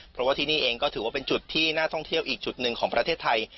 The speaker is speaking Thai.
เพราะว่าที่นี่เองก็ถือว่าเป็นจุดที่น่าท่องเที่ยวอีกจุดหนึ่งของประเทศไทย